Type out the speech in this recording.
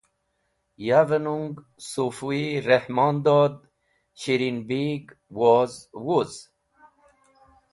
Yav nung Sũfi, Rahmon Dod, Shirin Big woz wuz.